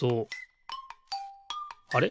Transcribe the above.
あれ？